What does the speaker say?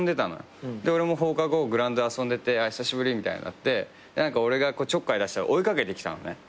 俺も放課後グラウンドで遊んでて「久しぶり」みたいになって俺がちょっかい出したら追い掛けてきたのね。